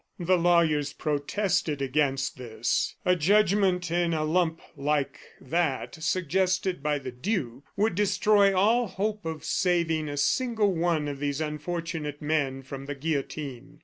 The lawyers protested against this. A judgment in a lump, like that suggested by the duke, would destroy all hope of saving a single one of these unfortunate men from the guillotine.